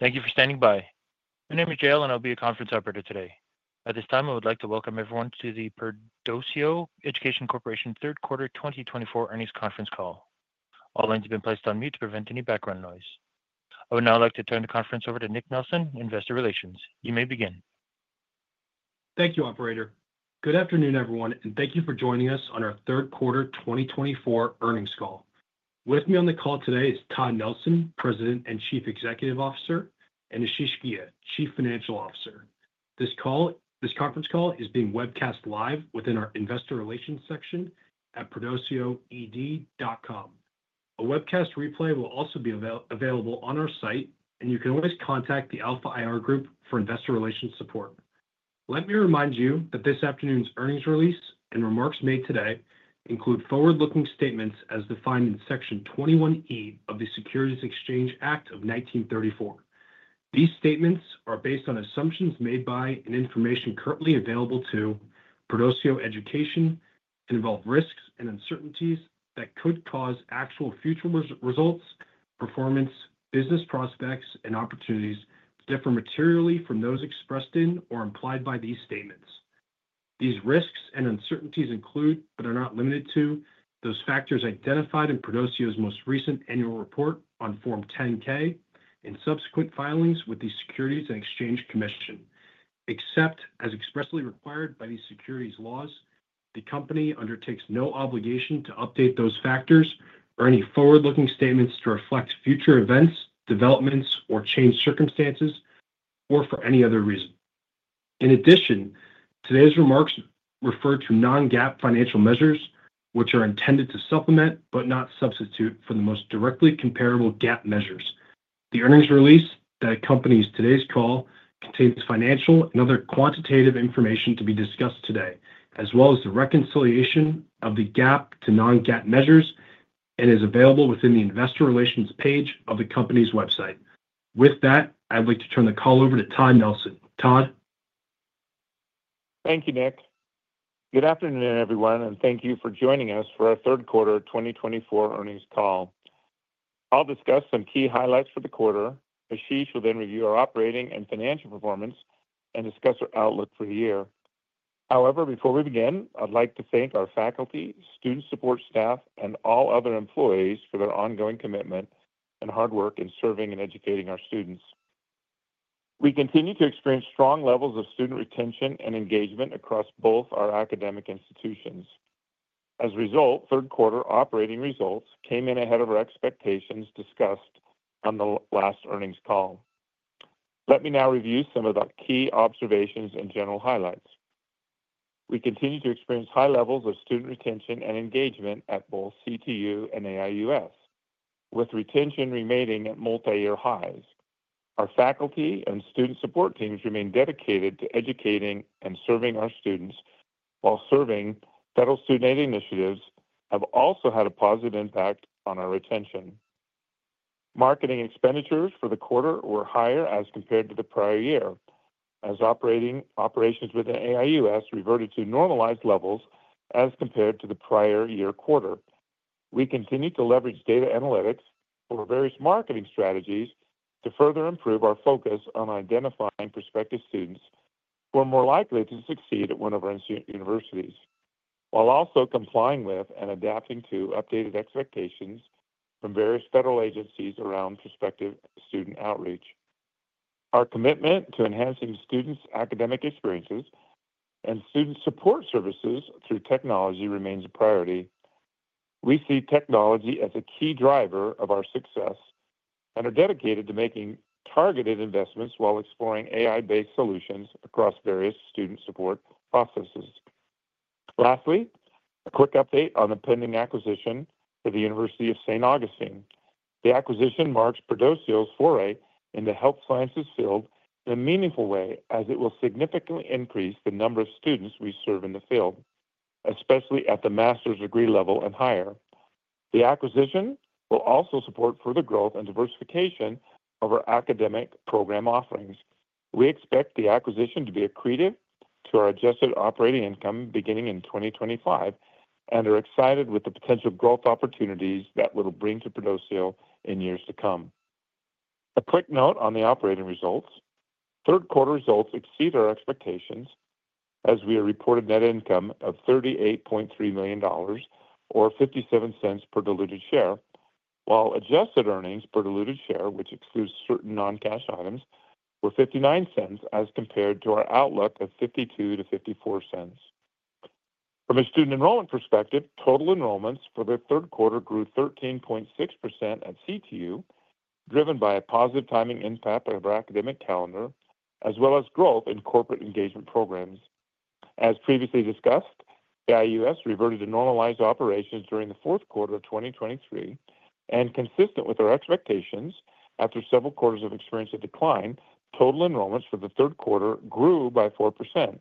Thank you for standing by. My name is Gale, and I'll be your conference operator today. At this time, I would like to welcome everyone Perdoceo Education Corporation third quarter 2024 earnings conference Call. All lines have been placed on mute to prevent any background noise. I would now like to turn the conference over to Nick Nelson, Investor Relations. You may begin. Thank you, Operator. Good afternoon, everyone, and thank you for joining us third quarter earnings Call. With me on the call today is Todd Nelson, President and Chief Executive Officer, and Ashish Ghia, Chief Financial Officer. This conference call is being webcast live within our Investor Relations section at PerdoceoED.com. A webcast replay will also be available on our site, and you can always contact the Alpha IR Group for investor relations support. Let me remind you that this afternoon's earnings release and remarks made today include forward-looking statements as defined in Section 21E of the Securities Exchange Act of 1934. These statements are based on assumptions made by and information currently available to Perdoceo Education and involve risks and uncertainties that could cause actual future results, performance, business prospects, and opportunities to differ materially from those expressed in or implied by these statements. These risks and uncertainties include, but are not limited to, those factors identified in Perdoceo's most recent annual report on Form 10-K and subsequent filings with the Securities and Exchange Commission. Except as expressly required by these securities laws, the company undertakes no obligation to update those factors or any forward-looking statements to reflect future events, developments, or changed circumstances, or for any other reason. In addition, today's remarks refer to non-GAAP financial measures, which are intended to supplement but not substitute for the most directly comparable GAAP measures. The earnings release that accompanies today's call contains financial and other quantitative information to be discussed today, as well as the reconciliation of the GAAP to non-GAAP measures, and is available within the Investor Relations page of the company's website. With that, I'd like to turn the call over to Todd Nelson. Todd. Thank you, Nick. Good afternoon, everyone, and thank you for joining us third quarter 2024 earnings Call. I'll discuss some key highlights for the quarter. Ashish will then review our operating and financial performance and discuss our outlook for the year. However, before we begin, I'd like to thank our faculty, student support staff, and all other employees for their ongoing commitment and hard work in serving and educating our students. We continue to experience strong levels of student retention and engagement across both our academic institutions. As third quarter operating results came in ahead of our expectations discussed on the last earnings call. Let me now review some of the key observations and general highlights. We continue to experience high levels of student retention and engagement at both CTU and AIUS, with retention remaining at multi-year highs. Our faculty and student support teams remain dedicated to educating and serving our students, while serving federal student aid initiatives have also had a positive impact on our retention. Marketing expenditures for the quarter were higher as compared to the prior year, as operations within AIUS reverted to normalized levels as compared to the prior year quarter. We continue to leverage data analytics for various marketing strategies to further improve our focus on identifying prospective students who are more likely to succeed at one of our universities, while also complying with and adapting to updated expectations from various federal agencies around prospective student outreach. Our commitment to enhancing students' academic experiences and student support services through technology remains a priority. We see technology as a key driver of our success and are dedicated to making targeted investments while exploring AI-based solutions across various student support processes. Lastly, a quick update on the pending acquisition for the University of St. Augustine. The acquisition marks Perdoceo's foray into health sciences field in a meaningful way, as it will significantly increase the number of students we serve in the field, especially at the master's degree level and higher. The acquisition will also support further growth and diversification of our academic program offerings. We expect the acquisition to be accretive to our adjusted operating income beginning in 2025 and are excited with the potential growth opportunities that will bring to Perdoceo in years to come. A quick note on the third quarter results exceed our expectations, as we reported net income of $38.3 million or $0.57 per diluted share, while adjusted earnings per diluted share, which excludes certain non-cash items, were $0.59 as compared to our outlook of $0.52-$0.54. From a student enrollment perspective, total enrollments third quarter grew 13.6% at CTU, driven by a positive timing impact of our academic calendar, as well as growth in corporate engagement programs. As previously discussed, AIUS reverted to normalized operations during the fourth quarter of 2023, and consistent with our expectations after several quarters of experienced decline, total enrollments third quarter grew by 4%.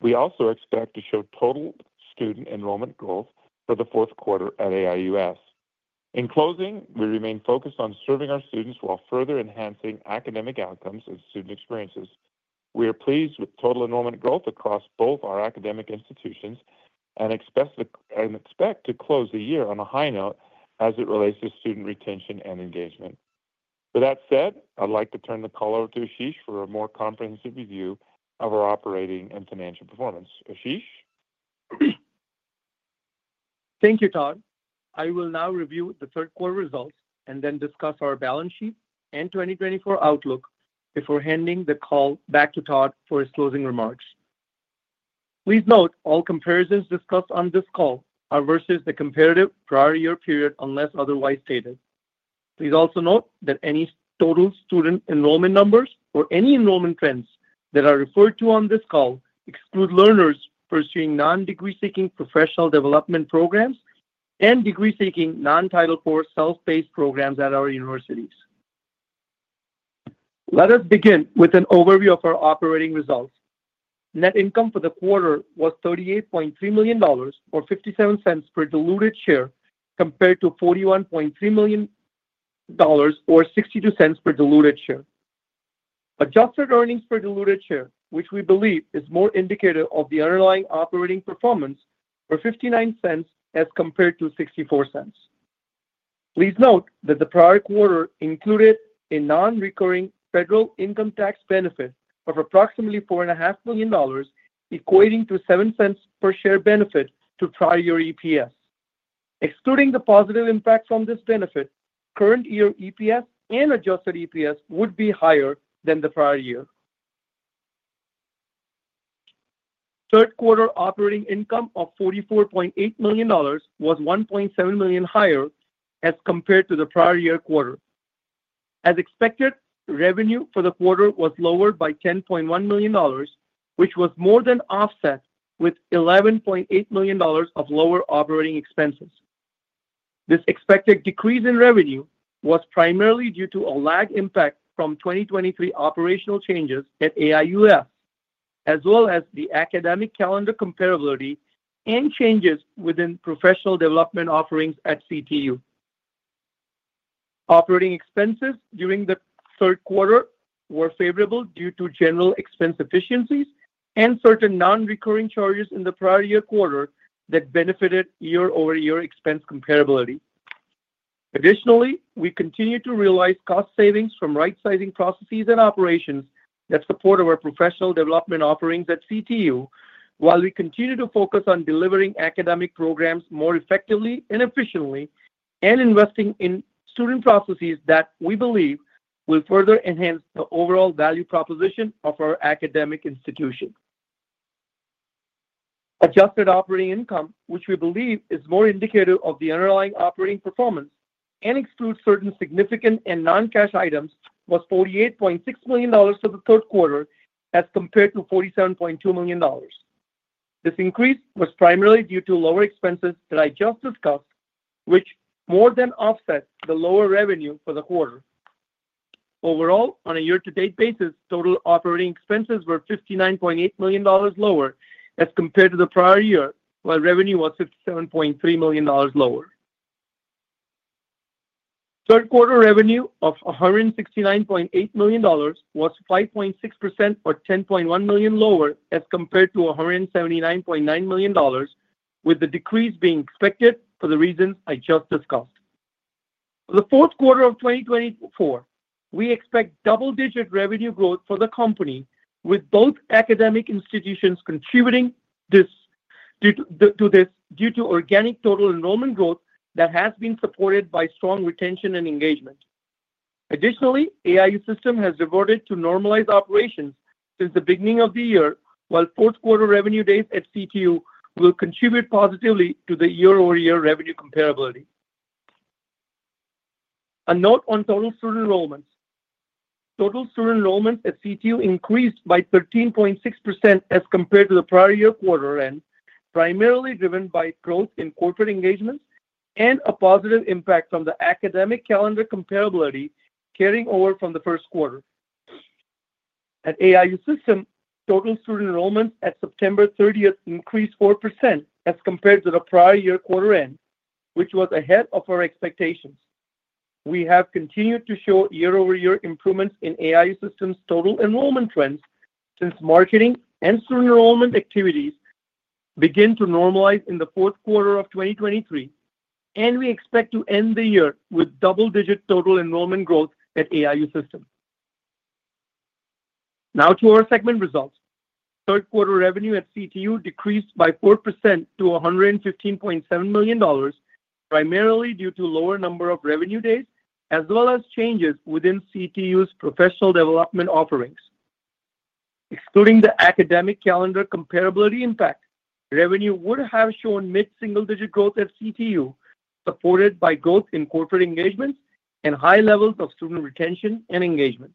We also expect to show total student enrollment growth for the fourth quarter at AIUS. In closing, we remain focused on serving our students while further enhancing academic outcomes and student experiences. We are pleased with total enrollment growth across both our academic institutions and expect to close the year on a high note as it relates to student retention and engagement. With that said, I'd like to turn the call over to Ashish for a more comprehensive review of our operating and financial performance. Ashish? Thank you, Todd. I will now third quarter results and then discuss our balance sheet and 2024 outlook before handing the call back to Todd for his closing remarks. Please note all comparisons discussed on this call are versus the comparative prior year period unless otherwise stated. Please also note that any total student enrollment numbers or any enrollment trends that are referred to on this call exclude learners pursuing non-degree-seeking professional development programs and degree-seeking non-Title IV self-paced programs at our universities. Let us begin with an overview of our operating results. Net income for the quarter was $38.3 million or $0.57 per diluted share compared to $41.3 million or $0.62 per diluted share. Adjusted earnings per diluted share, which we believe is more indicative of the underlying operating performance, were $0.59 as compared to $0.64. Please note that the prior quarter included a non-recurring federal income tax benefit of approximately $4.5 million, equating to $0.07 per share benefit to prior year EPS. Excluding the positive impact from this benefit, current year EPS and adjusted EPS would be higher than the third quarter operating income of $44.8 million was $1.7 million higher as compared to the prior year quarter. As expected, revenue for the quarter was lowered by $10.1 million, which was more than offset with $11.8 million of lower operating expenses. This expected decrease in revenue was primarily due to a lagged impact from 2023 operational changes at AIUS, as well as the academic calendar comparability and changes within professional development offerings at CTU. Operating expenses third quarter were favorable due to general expense efficiencies and certain non-recurring charges in the prior year quarter that benefited year-over-year expense comparability. Additionally, we continue to realize cost savings from right-sizing processes and operations that support our professional development offerings at CTU, while we continue to focus on delivering academic programs more effectively and efficiently and investing in student processes that we believe will further enhance the overall value proposition of our academic institution. Adjusted operating income, which we believe is more indicative of the underlying operating performance and excludes certain significant and non-cash items, was $48.6 million third quarter as compared to $47.2 million. This increase was primarily due to lower expenses that I just discussed, which more than offset the lower revenue for the quarter. Overall, on a year-to-date basis, total operating expenses were $59.8 million lower as compared to the prior year, while revenue was $57.3 million lower. third quarter revenue of $169.8 million was 5.6% or $10.1 million lower as compared to $179.9 million, with the decrease being expected for the reasons I just discussed. For the fourth quarter of 2024, we expect double-digit revenue growth for the company, with both academic institutions contributing to this due to organic total enrollment growth that has been supported by strong retention and engagement. Additionally, AIU system has reverted to normalized operations since the beginning of the year, while fourth quarter revenue days at CTU will contribute positively to the year-over-year revenue comparability. A note on total student enrollments. Total student enrollments at CTU increased by 13.6% as compared to the prior year quarter end, primarily driven by growth in corporate engagements and a positive impact from the academic calendar comparability carrying over from the first quarter. At AIU System, total student enrollments at September 30th increased 4% as compared to the prior year quarter end, which was ahead of our expectations. We have continued to show year-over-year improvements in AIU System's total enrollment trends since marketing and student enrollment activities began to normalize in the fourth quarter of 2023, and we expect to end the year with double-digit total enrollment growth at AIU System. Now to our third quarter revenue at CTU decreased by 4% to $115.7 million, primarily due to a lower number of revenue days as well as changes within CTU's professional development offerings. Excluding the academic calendar comparability impact, revenue would have shown mid-single-digit growth at CTU, supported by growth in corporate engagements and high levels of student retention and engagement.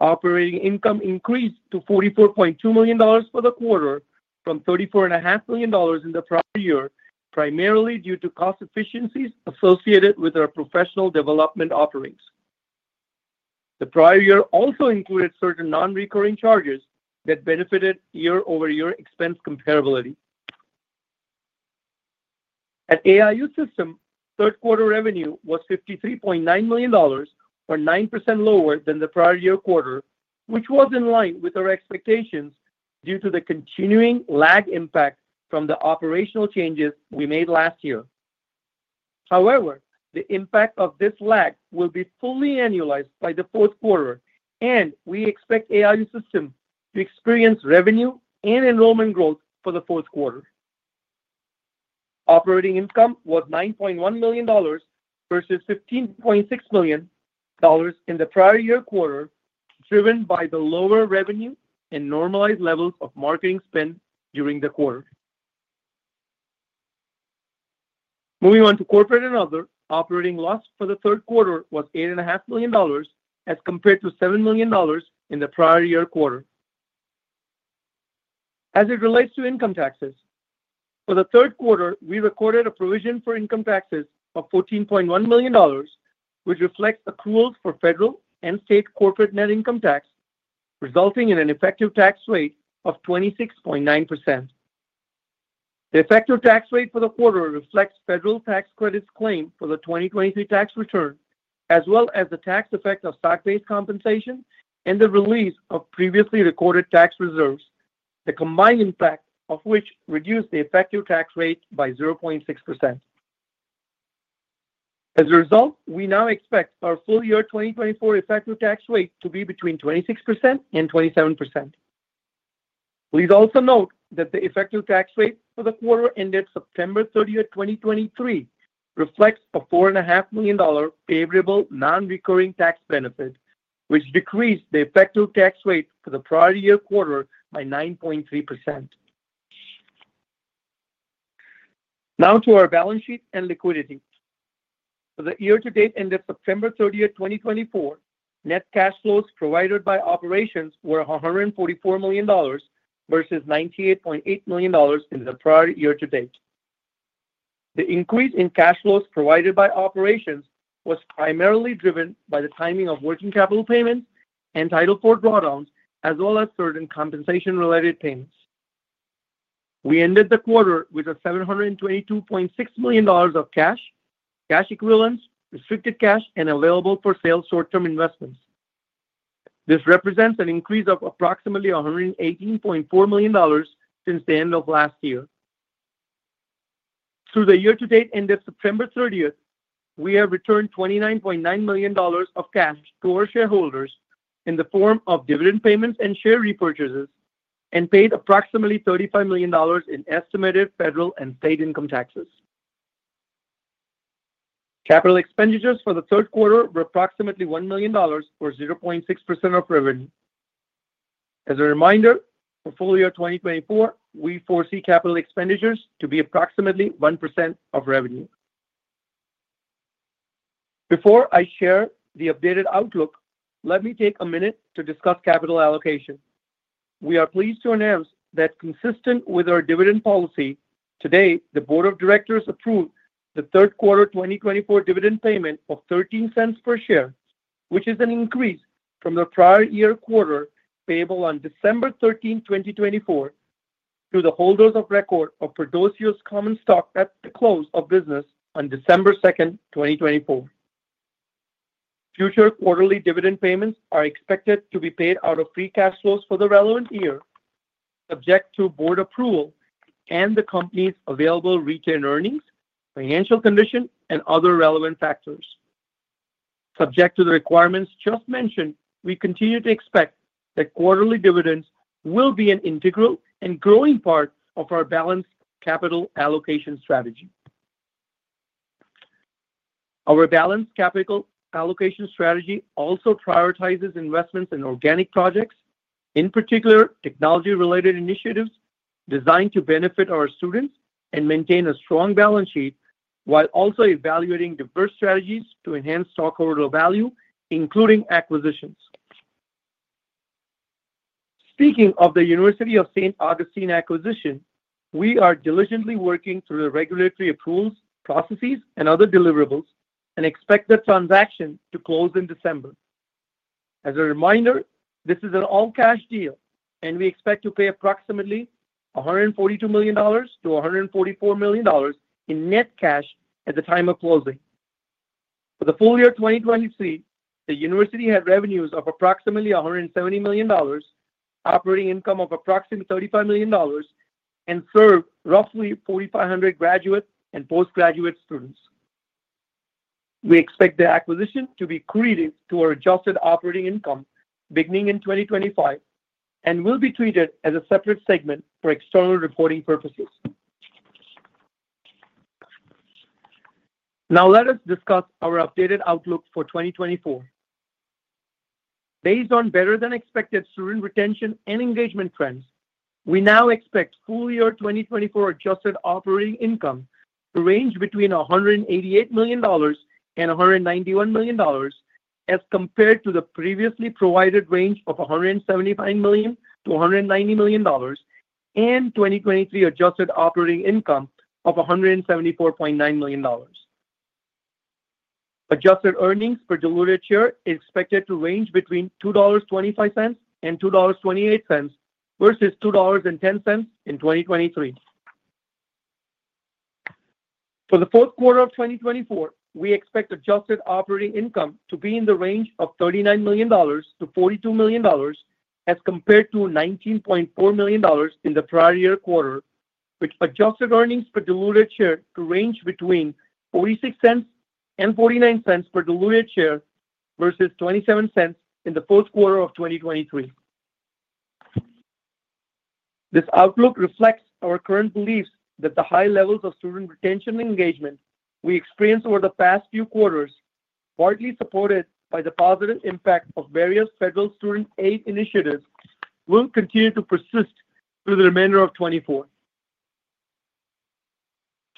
Operating income increased to $44.2 million for the quarter from $34.5 million in the prior year, primarily due to cost efficiencies associated with our professional development offerings. The prior year also included certain non-recurring charges that benefited year-over-year expense comparability. At third quarter revenue was $53.9 million, or 9% lower than the prior year quarter, which was in line with our expectations due to the continuing lag impact from the operational changes we made last year. However, the impact of this lag will be fully annualized by the fourth quarter, and we expect AIU System to experience revenue and enrollment growth for the fourth quarter. Operating income was $9.1 million versus $15.6 million in the prior year quarter, driven by the lower revenue and normalized levels of marketing spend during the quarter. Moving on to corporate and other, operating loss third quarter was $8.5 million as compared to $7 million in the prior year quarter. As it relates to income taxes, third quarter, we recorded a provision for income taxes of $14.1 million, which reflects accruals for federal and state corporate net income tax, resulting in an effective tax rate of 26.9%. The effective tax rate for the quarter reflects federal tax credits claimed for the 2023 tax return, as well as the tax effect of stock-based compensation and the release of previously recorded tax reserves, the combined impact of which reduced the effective tax rate by 0.6%. As a result, we now expect our full year 2024 effective tax rate to be between 26% and 27%. Please also note that the effective tax rate for the quarter ended September 30, 2023, reflects a $4.5 million favorable non-recurring tax benefit, which decreased the effective tax rate for the prior year quarter by 9.3%. Now to our balance sheet and liquidity. For the year-to-date ended September 30, 2024, net cash flows provided by operations were $144 million versus $98.8 million in the prior year-to-date. The increase in cash flows provided by operations was primarily driven by the timing of working capital payments and Title IV drawdowns, as well as certain compensation-related payments. We ended the quarter with a $722.6 million of cash, cash equivalents, restricted cash, and available for sale short-term investments. This represents an increase of approximately $118.4 million since the end of last year. Through the year-to-date ended September 30, we have returned $29.9 million of cash to our shareholders in the form of dividend payments and share repurchases and paid approximately $35 million in estimated federal and state income taxes. Capital expenditures third quarter were approximately $1 million or 0.6% of revenue. As a reminder, for full year 2024, we foresee capital expenditures to be approximately 1% of revenue. Before I share the updated outlook, let me take a minute to discuss capital allocation. We are pleased to announce that, consistent with our dividend policy, today the Board of Directors third quarter 2024 dividend payment of $0.13 per share, which is an increase from the prior year quarter payable on December 13, 2024, to the holders of record of Perdoceo's common stock at the close of business on December 2, 2024. Future quarterly dividend payments are expected to be paid out of free cash flows for the relevant year, subject to board approval and the company's available retained earnings, financial condition, and other relevant factors. Subject to the requirements just mentioned, we continue to expect that quarterly dividends will be an integral and growing part of our balanced capital allocation strategy. Our balanced capital allocation strategy also prioritizes investments in organic projects, in particular technology-related initiatives designed to benefit our students and maintain a strong balance sheet, while also evaluating diverse strategies to enhance stockholder value, including acquisitions. Speaking of the University of St. Augustine acquisition, we are diligently working through the regulatory approvals, processes, and other deliverables and expect the transaction to close in December. As a reminder, this is an all-cash deal, and we expect to pay approximately $142 million-$144 million in net cash at the time of closing. For the full year 2023, the university had revenues of approximately $170 million, operating income of approximately $35 million, and served roughly 4,500 graduate and postgraduate students. We expect the acquisition to be accretive to our adjusted operating income beginning in 2025 and will be treated as a separate segment for external reporting purposes. Now let us discuss our updated outlook for 2024. Based on better-than-expected student retention and engagement trends, we now expect full year 2024 adjusted operating income to range between $188 million and $191 million as compared to the previously provided range of $179 million-$190 million and 2023 adjusted operating income of $174.9 million. Adjusted earnings per diluted share is expected to range between $2.25 and $2.28 versus $2.10 in 2023. For the fourth quarter of 2024, we expect adjusted operating income to be in the range of $39 million to $42 million as compared to $19.4 million in the prior year quarter, which adjusted earnings per diluted share to range between $0.46 and $0.49 per diluted share versus $0.27 in the fourth quarter of 2023. This outlook reflects our current beliefs that the high levels of student retention and engagement we experienced over the past few quarters, partly supported by the positive impact of various federal student aid initiatives, will continue to persist through the remainder of 2024.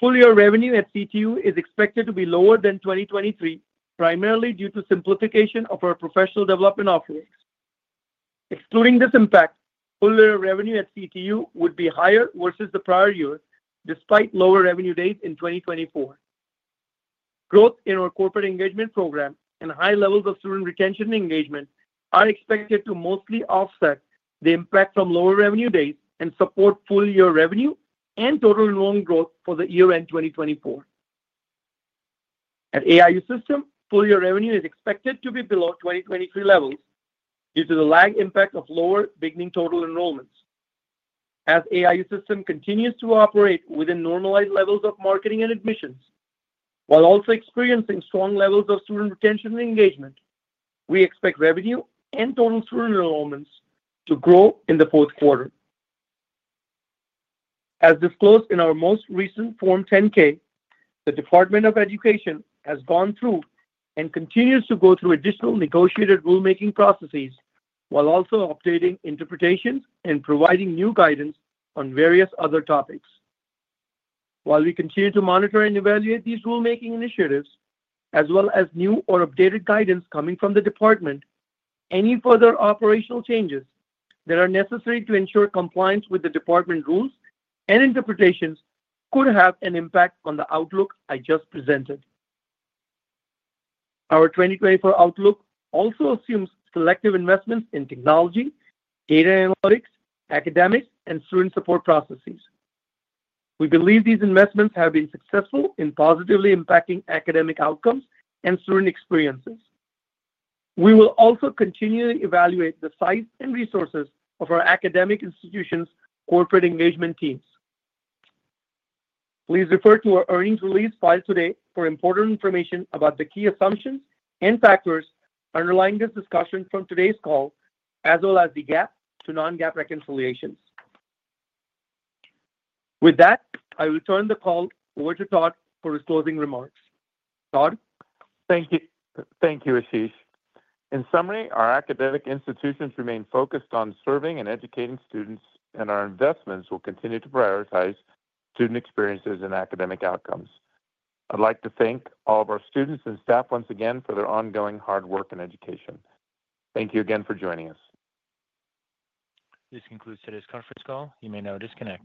Full year revenue at CTU is expected to be lower than 2023, primarily due to simplification of our professional development offerings. Excluding this impact, full year revenue at CTU would be higher versus the prior year, despite lower revenue days in 2024. Growth in our corporate engagement program and high levels of student retention and engagement are expected to mostly offset the impact from lower revenue days and support full year revenue and total enrollment growth for the year-end 2024. At AIU System, full year revenue is expected to be below 2023 levels due to the lag impact of lower beginning total enrollments. As AIU System continues to operate within normalized levels of marketing and admissions, while also experiencing strong levels of student retention and engagement, we expect revenue and total student enrollments to grow in the fourth quarter. As disclosed in our most recent Form 10-K, the Department of Education has gone through and continues to go through additional negotiated rulemaking processes, while also updating interpretations and providing new guidance on various other topics. While we continue to monitor and evaluate these rulemaking initiatives, as well as new or updated guidance coming from the department, any further operational changes that are necessary to ensure compliance with the department rules and interpretations could have an impact on the outlook I just presented. Our 2024 outlook also assumes selective investments in technology, data analytics, academics, and student support processes. We believe these investments have been successful in positively impacting academic outcomes and student experiences. We will also continually evaluate the size and resources of our academic institutions' corporate engagement teams. Please refer to our earnings release filed today for important information about the key assumptions and factors underlying this discussion from today's call, as well as the GAAP to non-GAAP reconciliations. With that, I will turn the call over to Todd for his closing remarks. Todd? Thank you. Thank you, Ashish. In summary, our academic institutions remain focused on serving and educating students, and our investments will continue to prioritize student experiences and academic outcomes. I'd like to thank all of our students and staff once again for their ongoing hard work in education. Thank you again for joining us. This concludes today's conference call. You may now disconnect.